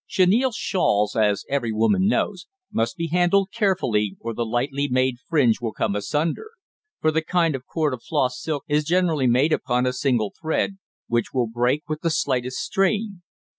Chenille shawls, as every woman knows, must be handled carefully or the lightly made fringe will come asunder; for the kind of cord of floss silk is generally made upon a single thread, which will break with the slightest strain.